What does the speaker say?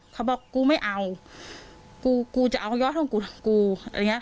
เขาบอกกูไม่เอากูกูจะเอายอดห้องกูอะไรอย่างเงี้